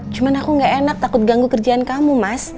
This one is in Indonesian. cuman aku ga enak takut ganggu kerjaan kamu mas